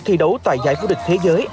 thi đấu tại giải vua địch thế giới